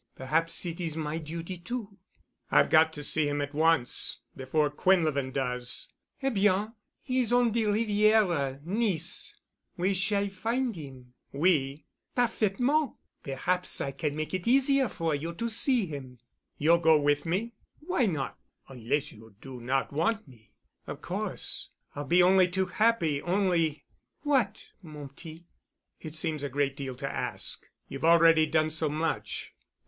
Perhaps it is my duty too." "I've got to see him at once, before Quinlevin does." "Eh bien. He is on the Riviera—Nice. We s'all find 'im." "We?" "Parfaitement! Perhaps I can make it easier for you to see him——" "You'll go with me?" "Why not? Onless you do not want me——?" "Of course I'll be only too happy, only——" "What, mon petit?" "It seems a great deal to ask. You've already done so much."